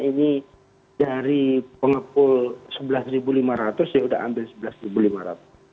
ini dari pengepul rp sebelas lima ratus ya sudah ambil rp sebelas lima ratus